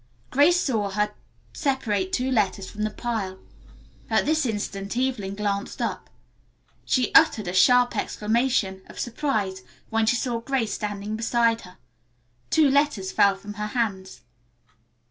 Grace saw her separate two letters from the pile. At this instant Evelyn glanced up. She uttered a sharp exclamation of surprise when she saw Grace standing beside her. Two letters fell from her hands.